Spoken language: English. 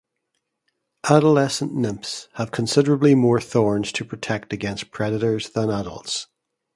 Adolescent nymphs have considerably more thorns to protect against predators than adults.